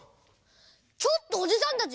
ちょっとおじさんたち